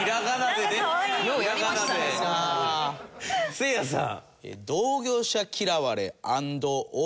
せいやさん。